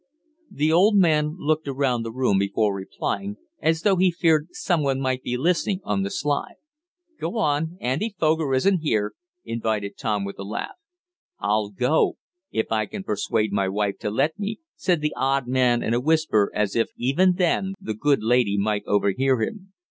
The odd man looked around the room before replying, as though he feared someone might be listening on the sly. "Go on, Andy Foger isn't here," invited Tom with a laugh. "I'll go if I can pursuade my wife to let me," said the odd man in a whisper, as if, even then, the good lady might overhear him.